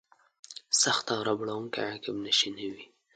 سخته او ربړونکې عقب نشیني وه.